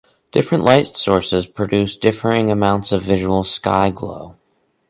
Different light sources produce differing amounts of visual sky glow.